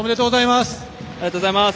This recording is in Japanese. おめでとうございます。